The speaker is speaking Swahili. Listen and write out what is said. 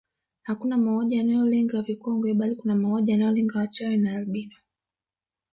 Hakuna mauaji yanayolenga vikongwe bali kuna mauaji yanayolenga wachawi na albino